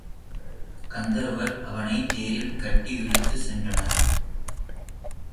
கந்தருவர் அவனைத் தேரில் கட்டி இழுத்துச் சென்றனர்.